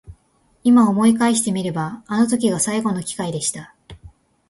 今思い返してみればあの時が最後の機会でした。